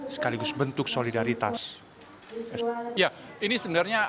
sekaligus bentuk solidaritas